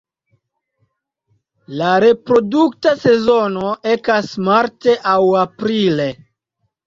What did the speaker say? La reprodukta sezono ekas marte aŭ aprile.